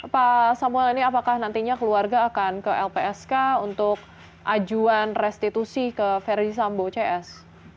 pak samuel ini apakah nantinya keluarga akan ke lpsk untuk ajuan restitusi ke verdi sambo cs